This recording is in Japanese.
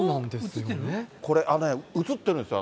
これ、映ってるんですよ。